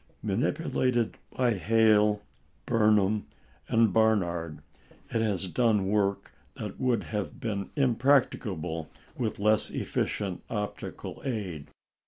Manipulated by Hale, Burnham, and Barnard, it has done work that would have been impracticable with less efficient optical aid.